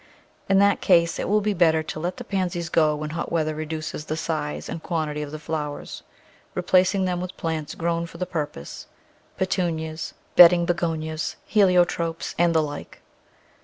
In that case it will be better to let the Pansies go when hot weather reduces the size and quantity of the flowers, replacing them with plants grown for the purpose, Petunias, bedding Be gonias, Heliotropes, and the like.